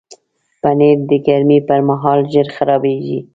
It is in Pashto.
پنېر د ګرمۍ پر مهال ژر خرابیږي.